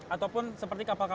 ataupun seperti kapal kapal